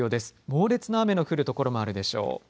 猛烈な雨の降る所もあるでしょう。